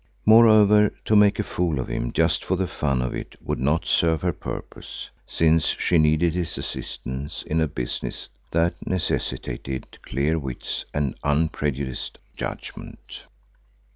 Moreover to make a fool of him just for the fun of it would not serve her purpose, since she needed his assistance in a business that necessitated clear wits and unprejudiced judgment.